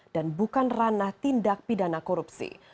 dan bukan ranah tindak pidana korupsi